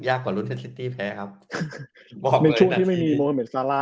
ยากกว่ารุ่นที่แพ้ครับบอกเลยนะที่ไม่มีโมฮาเมฆซาลา